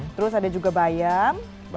terus ada juga bayam